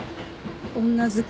女好き。